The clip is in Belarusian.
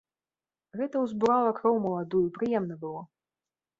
Гэта ўзбурала кроў маладую, прыемна было.